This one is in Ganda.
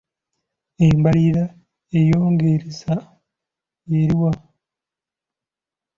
Embalirira eyongereza y'eruwa?